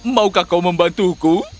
maukah kau membantuku